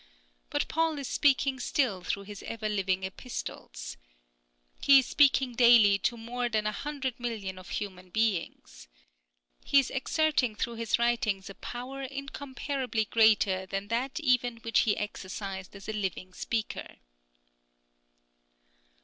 But Paul is speaking still through his ever living Epistles. He is speaking daily to more than a hundred millions of human beings. He is exerting through his writings a power incomparably greater than that even which he exercised as a living speaker.